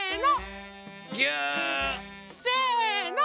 せの。